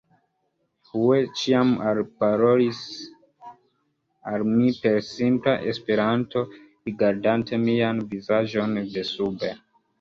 Hue ĉiam alparolis al mi per simpla Esperanto, rigardante mian vizaĝon desube.